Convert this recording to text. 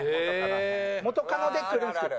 元カノで来るんですけど。